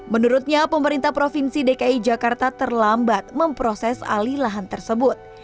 menurutnya pemerintah provinsi dki jakarta terlambat memproses alih lahan tersebut